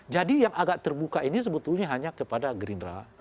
jadi yang agak terbuka ini sebetulnya hanya kepada gerindra